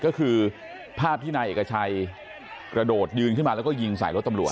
ก็คือภาพที่นายเอกชัยกระโดดยืนขึ้นมาแล้วก็ยิงใส่รถตำรวจ